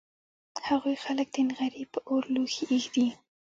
هغوی خلک د نغري په اور لوښي اېږدي